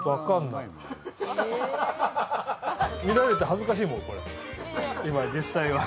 見られて恥ずかしいもん、今、実際は。